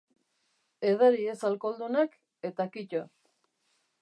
Edari ez alkoholdunak eta kito.